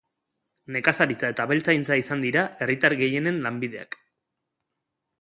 Nekazaritza eta abeltzaintza izan dira herritar gehienen lanbideak.